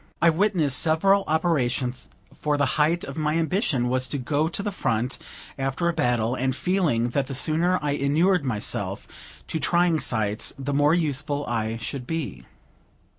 I witnessed several operations; for the height of my ambition was to go to the front after a battle, and feeling that the sooner I inured myself to trying sights, the more useful I should be.